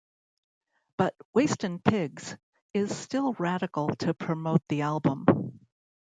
But Wastin Pigs Is Still Radical to promote the album.